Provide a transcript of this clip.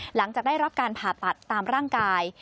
หลังจากได้รับการผ่าตัดตามร่างกาย